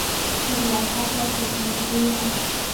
تر یو حده درنږدې وم